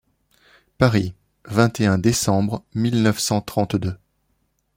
Paris, vingt et un décembre mille neuf cent trente-deux.